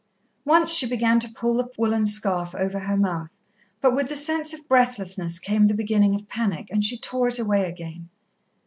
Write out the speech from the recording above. Once she began to pull the woollen scarf over her mouth, but with the sense of breathlessness came the beginning of panic, and she tore it away again.